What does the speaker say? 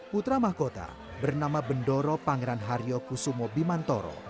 putra mahkota bernama bendoro pangeran haryo kusumo bimantoro